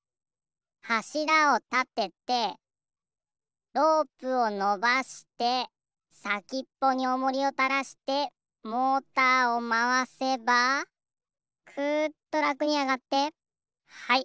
はしらをたててロープをのばしてさきっぽにおもりをたらしてモーターをまわせばくっとらくにあがってはい。